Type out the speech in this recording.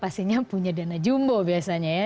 pastinya punya dana jumbo biasanya ya